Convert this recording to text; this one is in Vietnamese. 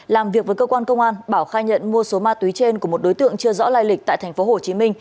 làm việc với cơ quan công an bảo khai nhận mua số ma túy trên của một đối tượng chưa rõ lai lịch tại tp hcm